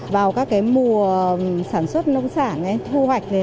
vào mùa sản xuất nông sản thu hoạch